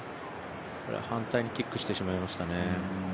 反対にキックしてしまいましたね。